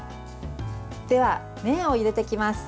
では麺を入れていきます。